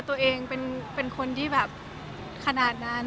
ตัวเองเป็นคนที่แบบขนาดนั้น